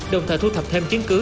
đồng thời thu thập thêm chứng cứ